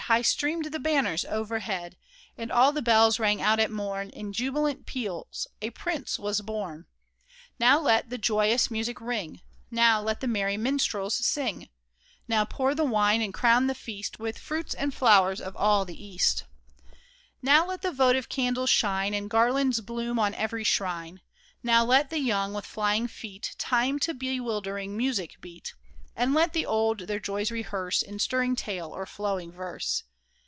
High streamed the banners overhead, And all the bells rang out at morn In jubilant peals — a Prince was born| Now let the joyous music ring ! Now let the merry minstrels sing ! Now pour the wine and crown the feast With fruits and flowers of all the East ! 196 KING IVAN'S OATH Now let the votive candles shine And garlands bloom on every shrine ! Now let the young, with flying feet Time to bewildering music beat, And let the old their joys rehearse In stirring tale, or flowing verse